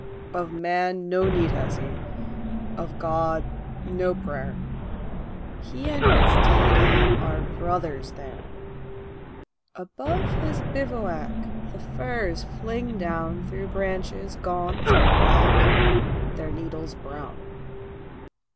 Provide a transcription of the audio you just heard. Of man no need has he, of God, no prayer; He and his Deity are brothers there. Above his bivouac the firs fling down Through branches gaunt and black, their needles brown.